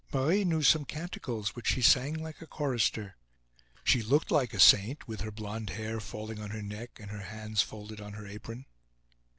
Marie knew some canticles, which she sang like a chorister. She looked like a saint, with her blond hair falling on her neck and her hands folded on her apron.